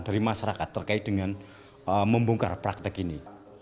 dari masyarakat terkait dengan membongkar praktek ini